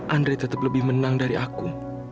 andrei tetep lebih menang dari aku